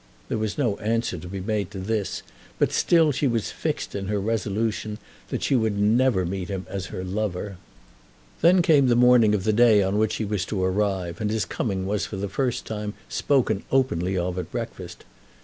There was no answer to be made to this, but still she was fixed in her resolution that she would never meet him as her lover. Then came the morning of the day on which he was to arrive, and his coming was for the first time spoken openly of at breakfast.